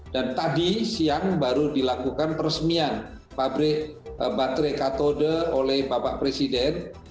dan tadi siang baru dilakukan peresmian pabrik baterai katode oleh bapak presiden